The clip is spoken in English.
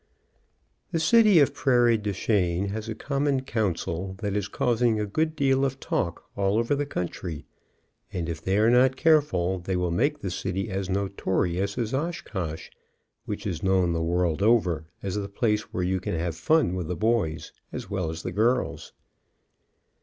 The city of Prairie du Chien has a common council that is causing a good deal of talk all over the coun try, and if they are not careful they will make the city as notorious as Oshkosh, which is known the world over as the place where you can have fun with the boys, as well as the girls.